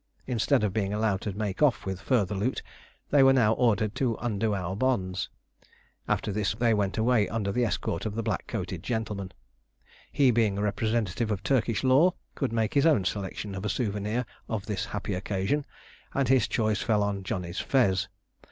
Instead of being allowed to make off with further loot, they were now ordered to undo our bonds; after this they went away under the escort of the black coated gentleman. He being a representative of Turkish law, could make his own selection of a souvenir of this happy occasion, and his choice fell on Johnny's fez.